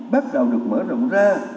bắt đầu được mở rộng ra